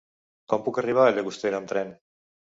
Com puc arribar a Llagostera amb tren?